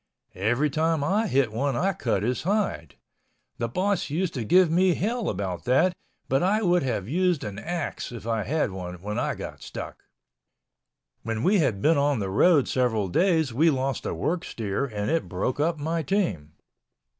Every time I hit one I cut his hide. The boss used to give me hell about that but I would have used an axe if I had one when I got stuck. When we had been on the road several days we lost a work steer and it broke up my team.